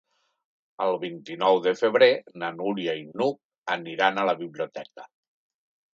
El vint-i-nou de febrer na Núria i n'Hug aniran a la biblioteca.